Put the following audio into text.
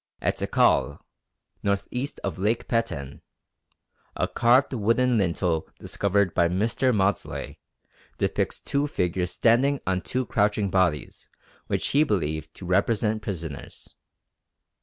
At Tikal, north east of Lake Peten, a carved wooden lintel discovered by Mr. Maudslay depicts two figures standing on two crouching bodies which he believed to represent prisoners.